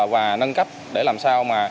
và nâng cấp để làm sao mà